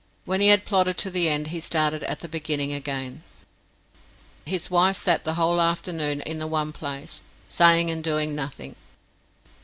When he had plodded to the end, he started at the beginning again. His wife sat the whole afternoon in the one place, saying and doing nothing.